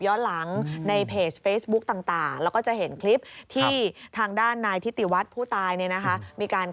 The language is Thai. ทำให้โลกโซเชียลเขาก็มีการ